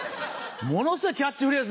ものすごいキャッチフレーズ